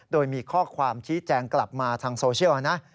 โดยมีข้อความชี้แจงกลับมาทางโซเชียลนะ